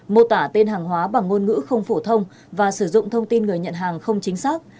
mô tả tên hàng hóa bằng ngôn ngữ không phổ thông và sử dụng thông tin người nhận hàng không chính xác